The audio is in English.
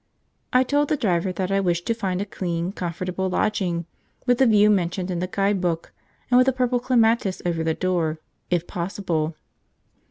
I told the driver that I wished to find a clean, comfortable lodging, with the view mentioned in the guide book, and with a purple clematis over the door, if possible.